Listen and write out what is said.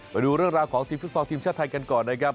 ไปดูเรื่องราวของทีมฟุตซอลทีมชาติไทยกันก่อนนะครับ